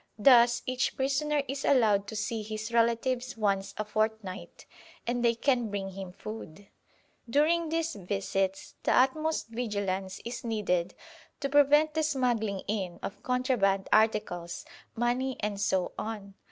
Thus each prisoner is allowed to see his relatives once a fortnight, and they can bring him food. During these visits the utmost vigilance is needed to prevent the smuggling in of contraband articles, money and so on.